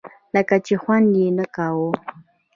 لکه چې خوند یې نه کاوه.